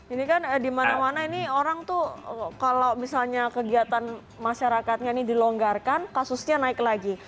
ini kan dimana mana ini orang tuh kalau misalnya kegiatan masyarakatnya ini dilonggarkan kasusnya naik lagi